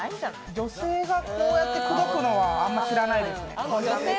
女性がこうやって口説くのはあんまり知らないですね。